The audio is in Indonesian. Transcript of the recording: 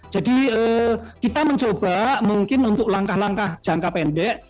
jadi kita mencoba mungkin untuk langkah langkah jangka pendek